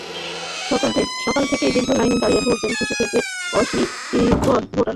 সকাল থেকেই দীর্ঘ লাইনে দাঁড়িয়ে ভোট দেন শিশু থেকে অশীতিপর ভোটাররা।